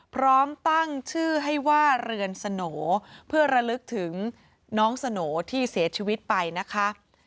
พร้อมตั้งชื่อให้ว่าเรือนสโหนเพื่อระลึกถึงน้องสโหน่ที่เสียชีวิตไปนะคะ